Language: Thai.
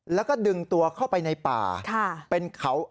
แล้วก็ดึงตัวเข้าไปในป่า